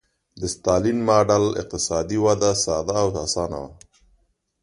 د ستالین ماډل اقتصادي وده ساده او اسانه وه